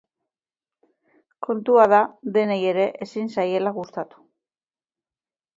Kontua da denei ere ezin zaiela gustatu.